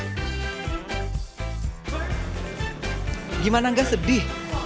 penonton tipe ini adalah badminton lovers yang udah jatuh kembali ke indonesia open ini